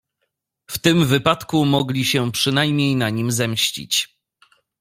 "W tym wypadku mogli się przynajmniej na nim zemścić."